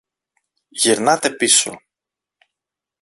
Γυρνάτε πίσω!